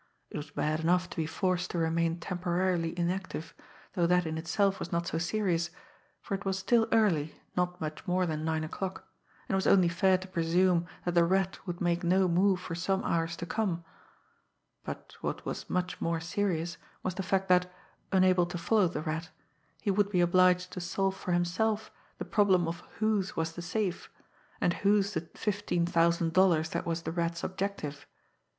It was bad enough to be forced to remain temporarily inactive, though that in itself was not so serious, for it was still early, not much more than nine o'clock, and it was only fair to presume that the Rat would make no move for some hours to come; but what was much more serious was the fact that, unable to follow the Rat, he would be obliged to solve for himself the problem of whose was the safe, and whose the fifteen thousand dollars that was the Rat's objective.